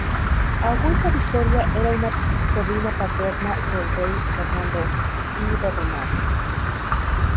Augusta Victoria era una sobrina paterna del rey Fernando I de Rumania.